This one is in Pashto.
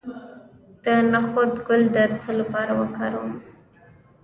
د نخود ګل د څه لپاره وکاروم؟